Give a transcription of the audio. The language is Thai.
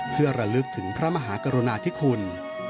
เพื่อระลึกถึงพระมหากรุณาธิคุณ